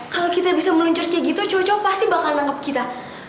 kalo kita bisa meluncur kayak gitu cowok cowok pasti bakal nangkep kita